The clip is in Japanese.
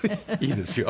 いいですよ。